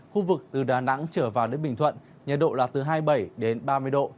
khu vực từ đà nẵng trở vào đến bình thuận nhiệt độ là hai mươi bảy ba mươi độ